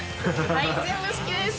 はい全部好きです！